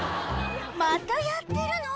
「またやってるの？